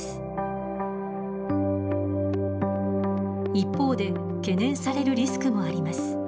一方で懸念されるリスクもあります。